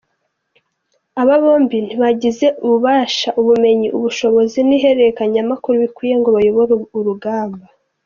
Aba bombi ntibagize ububasha, ubumenyi, ubushobozi n’ihererekanyamakuru bikwiye ngo bayobore urugamba.